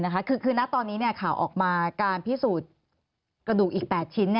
คือณตอนนี้ข่าวออกมาการพิสูจน์กระดูกอีก๘ชิ้น